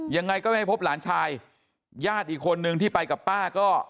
ยังไงก็ไม่ให้พบหลานชายญาติอีกคนนึงที่ไปกับป้าก็